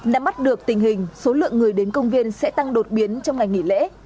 năm mắt được tình hình số lượng người đến công viên sẽ tăng đột biến trong ngày nghỉ lễ